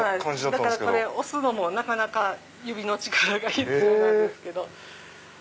だからこれ押すのもなかなか指の力が必要です。